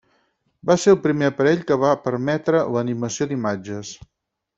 Va ser el primer aparell que va permetre l'animació d'imatges.